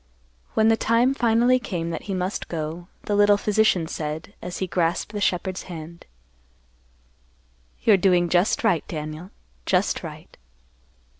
When the time finally came that he must go, the little physician said, as he grasped the shepherd's hand, "You're doing just right, Daniel; just right.